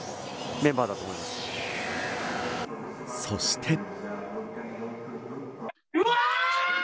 そして。